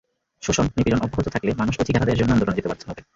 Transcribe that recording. শোষণ-নিপীড়ন অব্যাহত থাকলে মানুষ অধিকার আদায়ের জন্য আন্দোলনে যেতে বাধ্য হবে।